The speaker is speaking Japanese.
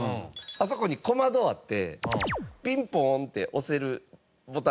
あそこに小窓あってピンポンって押せるボタンあって。